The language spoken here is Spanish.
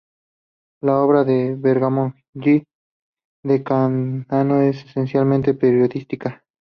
La obra de Bernardo G. de Candamo es esencialmente periodística.